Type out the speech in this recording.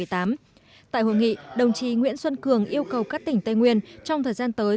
tại hội nghị đồng chí nguyễn xuân cường yêu cầu các tỉnh tây nguyên trong thời gian tới